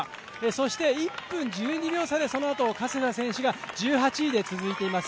そして、１分１２秒差でそのあと加世田選手が１８位で続いています。